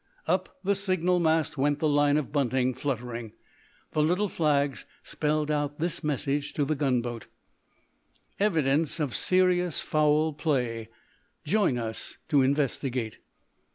Up the signal mast went the line of bunting, fluttering. The little flags spelled out this message to the gunboat: "Evidence of serious foul play. Join us to investigate."